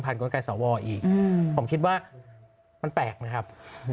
ผ่านกรณการสหวออีกผมคิดว่ามันแปลกนะครับ